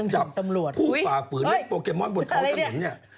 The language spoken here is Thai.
จับผู้ป่าฝืนเรียกโปเกมอนบนเท้าสมุนเนี่ย